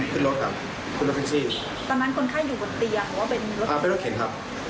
เจ้าหน้าที่ทั้งหม้าครับ